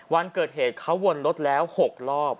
วันเกิดเหตุเขาวนรถแล้ว๖รอบ